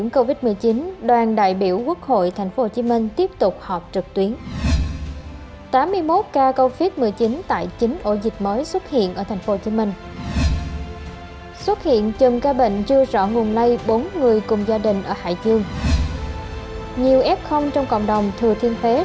các bạn hãy đăng ký kênh để ủng hộ kênh của chúng mình nhé